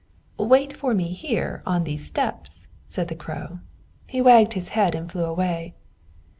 "Wait for me here on these steps," said the Crow. He wagged his head and flew away.